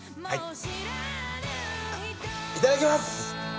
はい！